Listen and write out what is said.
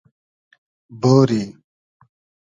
بۉری